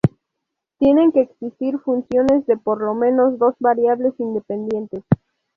Tienen que existir funciones de por lo menos dos variables independientes.